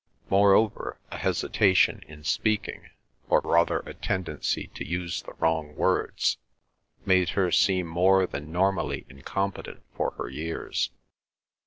Moreover, a hesitation in speaking, or rather a tendency to use the wrong words, made her seem more than normally incompetent for her years.